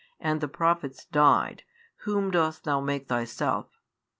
and the prophets died, whom dost Thou make Thyself?